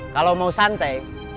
kalau mau santai